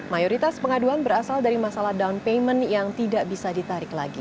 mayoritas pengaduan berasal dari masalah down payment yang tidak bisa ditarik lagi